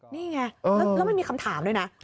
นี่ไงแล้วมันมีคำถามด้วยนะ